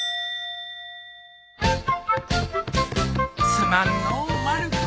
すまんのうまる子。